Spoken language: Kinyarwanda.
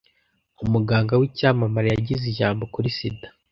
Umuganga w'icyamamare yagize ijambo kuri sida.